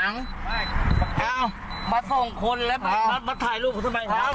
เอ้ามาสองคนแล้วมาถ่ายรูปกูทำไมครับ